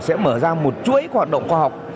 sẽ mở ra một chuỗi hoạt động khoa học